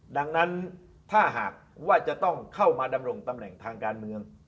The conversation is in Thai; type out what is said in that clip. ดังนั้นถ้าหากว่าจะต้องเข้ามาดำรงตำแหน่งทางการเมือง